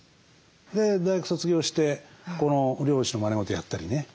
で大学卒業して漁師のまね事やったりね。